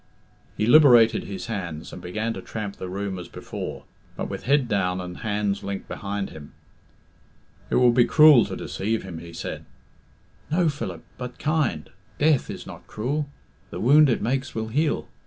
He liberated his hands, and began to tramp the room as before, but with head down dud hands linked behind him. "It will be cruel to deceive him," he said. "No, Philip, but kind. Death is not cruel. The wound it makes will heal.